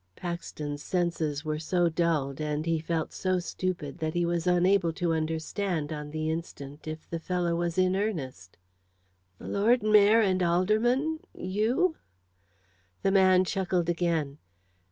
Paxton's senses were so dulled, and he felt so stupid, that he was unable to understand, on the instant, if the fellow was in earnest. "The Lord Mayor and Aldermen you?" The man chuckled again.